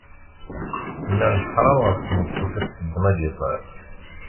Nnan ḥṛam ɣef tmeṭṭut ad teddem agiṭar.